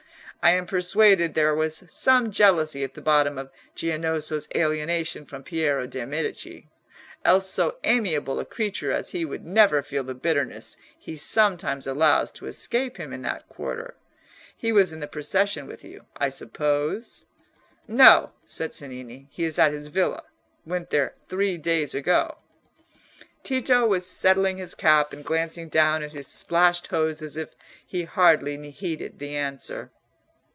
I am persuaded there was some jealousy at the bottom of Giannozzo's alienation from Piero de' Medici; else so amiable a creature as he would never feel the bitterness he sometimes allows to escape him in that quarter. He was in the procession with you, I suppose?" "No," said Cennini; "he is at his villa—went there three days ago." Tito was settling his cap and glancing down at his splashed hose as if he hardly heeded the answer.